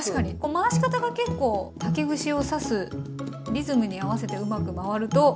回し方が結構竹串を刺すリズムに合わせてうまく回ると。